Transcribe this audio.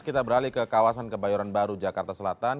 kita beralih ke kawasan kebayoran baru jakarta selatan